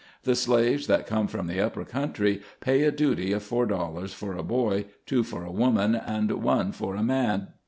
The slaves that come from the upper country pay a duty of four dollars for a boy, two for a woman, and one for a man.